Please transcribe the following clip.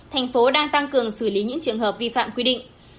thành phố đang tăng cường xử lý những trường hợp vi phạm quy định